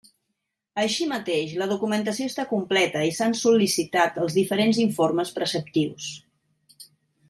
Així mateix, la documentació està completa i s'han sol·licitat els diferents informes preceptius.